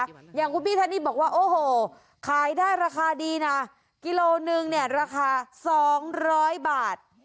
อย่างคุณพี่ท่านนี่บอกว่าโอ้โหขายได้ราคาดีนะกิโลนึงเนี่ยราคา๒๐๐บาท